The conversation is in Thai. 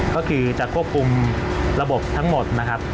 ก็คือจะควบคลุมระบบทั้งหมด